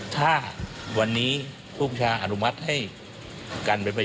ถ้าวันนี้ภูมิชาอนุมัติให้กันไป